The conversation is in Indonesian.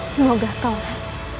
semoga kau raden